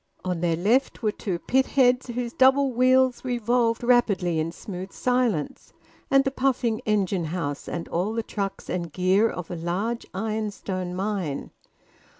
On their left were two pitheads whose double wheels revolved rapidly in smooth silence, and the puffing engine house and all the trucks and gear of a large ironstone mine.